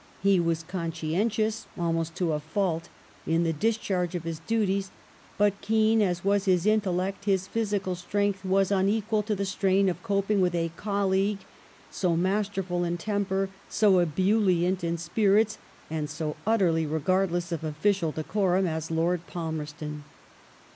He was conscientious — almost to a fault — in the discharge of his duties, but keen as was his intellect his physical strength was unequal to the strain of coping with a colleague so masterful in temper, so ebulhent in spirits, and so utterly regardless of official decorum as Lord Palmei ston.